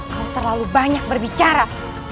kau terlalu banyak berbicara